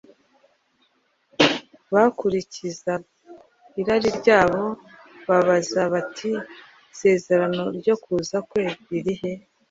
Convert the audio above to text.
bakurikiza irari ryabo, babaza bati, ‘Isezerano ryo kuza kwe riri he?